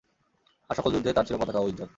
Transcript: আর সকল যুদ্ধে তাঁর ছিল পতাকা ও ইজ্জত।